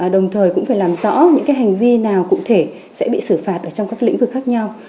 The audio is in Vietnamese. đồng thời cũng phải làm rõ những hành vi nào cụ thể sẽ bị xử phạt trong các lĩnh vực khác nhau